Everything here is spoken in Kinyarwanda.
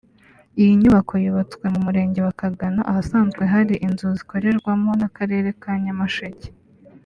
Iyi nyubako yubatswe mu murenge wa Kagano ahasanzwe hari inzu zikorerwamo n’ akarere ka Nyamasheke